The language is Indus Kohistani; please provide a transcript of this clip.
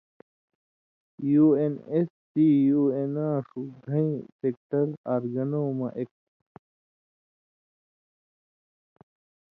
یُو اېن اېس سی، یُو اېناں ݜوْ گھئیں فیکٹر/ آرگنوں مہ ایک تھو۔